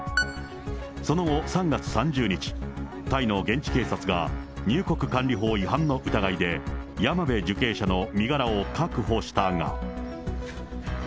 その後、３月３０日、タイの現地警察が入国管理法違反の疑いで山辺受刑者の身柄を確保したが。